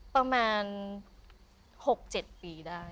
ประมาณ๖๗ปีได้